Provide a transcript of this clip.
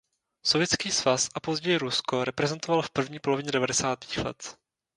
Sovětský svaz a později Rusko reprezentoval v první polovině devadesátých let.